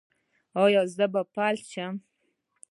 ایا زه به فلج شم؟